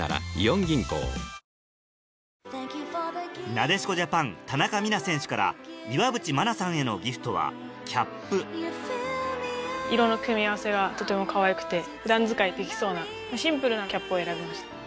なでしこジャパン田中美南選手から岩渕真奈さんへのギフトはキャップ色の組み合わせがとてもかわいくて普段使いできそうなシンプルなキャップを選びました。